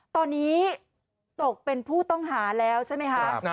ตอนนี้ตกเป็นผู้ต้องหาแล้วใช่ไหมคะ